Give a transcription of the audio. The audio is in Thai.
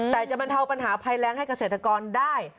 แต่จะบรรเทาปัญหาภัยแรงให้เกษตรกรได้